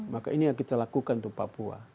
maka ini yang kita lakukan untuk papua